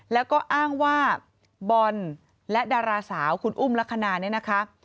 แล้วก็อ้างว่าบอลและดาราสาวคุณอุ้มลักษณะเนี่ยนะคะ